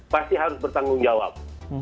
pasti harus bertanggung jawab